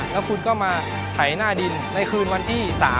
แล้วคุณก็มาไถหน้าดินในคืนวันที่๓